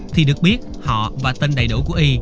thì được biết họ và tên đầy đủ của y